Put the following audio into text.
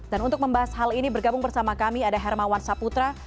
dan untuk membahas hal ini bergabung bersama kami ada hermawan saputra